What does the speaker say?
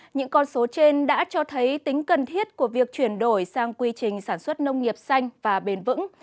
những con số trên đã cho thấy tính cần thiết của việc chuyển đổi sang quy trình sản xuất nông nghiệp xanh và bền vững